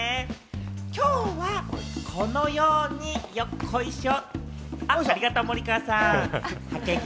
今日はこのように、よっこいしょ！